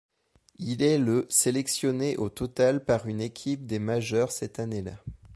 Il est le sélectionné au total par une équipe des majeures cette année-là.